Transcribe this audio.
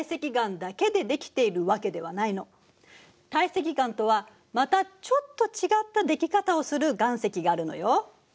堆積岩とはまたちょっと違ったでき方をする岩石があるのよ。